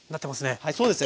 はいそうですね。